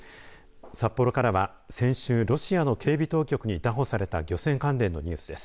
札幌からは先週、ロシアの警備当局に拿捕された漁船関連のニュースです。